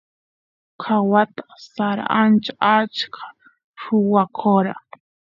ka wata sara ancha achka ruwakora